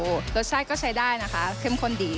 รสชาติก็ใช้ได้นะคะเข้มข้นดี